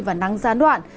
và nắng gián đoạn